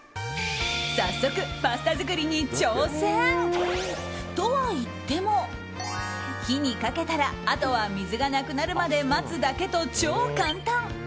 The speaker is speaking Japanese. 早速、パスタ作りに挑戦！とはいっても、火にかけたらあとは水がなくなるまで待つだけと超簡単。